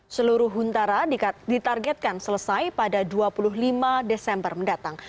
seluruh huntara ditargetkan selesai pada dua puluh lima desember mendatang